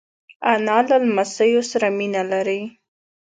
انا له لمسیو سره مینه لري